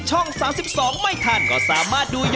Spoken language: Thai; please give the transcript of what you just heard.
คุณสำลักข้าวตาย